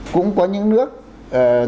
cũng có những nước người ta